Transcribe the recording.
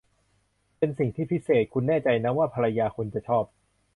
เป็นสิ่งที่พิเศษ คุณแน่ใจนะว่าภรรยาคุณจะชอบ